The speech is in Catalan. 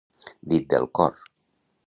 Dit del cor.